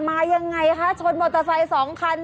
มายังไงคะชนมอเตอร์ไซค์สองคัน